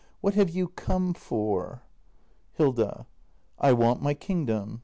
] What have you come for? Hilda. I want my kingdom.